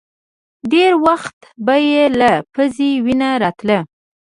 ډېر وخت به يې له پزې وينه راتله.